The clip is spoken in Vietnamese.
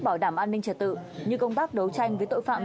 bảo đảm an ninh trật tự như công tác đấu tranh với tội phạm